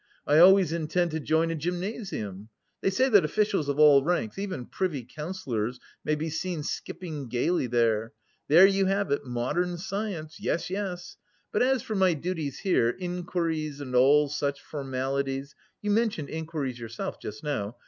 I always intend to join a gymnasium; they say that officials of all ranks, even Privy Councillors, may be seen skipping gaily there; there you have it, modern science... yes, yes.... But as for my duties here, inquiries and all such formalities... you mentioned inquiries yourself just now...